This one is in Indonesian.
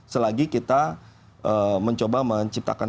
selagi kita mencoba menciptakan